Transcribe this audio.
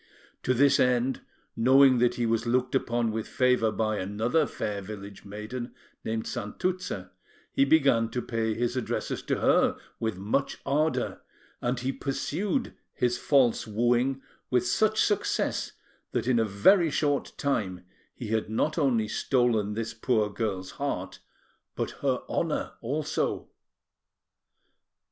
To this end, knowing that he was looked upon with favour by another fair village maiden, named Santuzza, he began to pay his addresses to her with much ardour; and he pursued his false wooing with such success that in a very short time he had not only stolen this poor girl's heart, but her honour, also.